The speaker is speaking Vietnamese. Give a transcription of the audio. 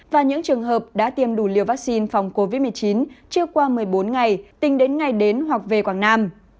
và những trường hợp đã tiêm đủ liều vaccine phòng covid một mươi chín chưa qua một mươi bốn ngày tính đến ngày đến hoặc về quảng nam